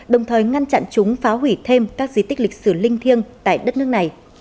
đồng thời ngăn chặn chúng phá hủy thêm các di tích lịch sử linh thiêng tại đất nước này